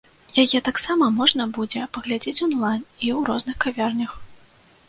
Яе таксама можна будзе паглядзець онлайн і ў розных кавярнях.